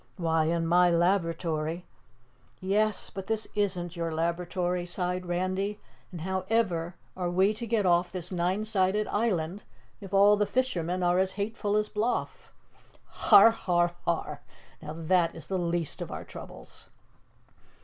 Why, in my laboratory " "Yes, but this isn't your laboratory," sighed Randy, "and how ever are we to get off this nine sided island if all the fishermen are as hateful as Bloff?" "Har! har! har! Now that is the least of our troubles."